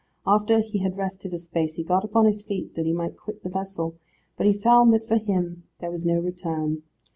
After he had rested a space he got upon his feet, that he might quit the vessel, but he found that for him there was no return.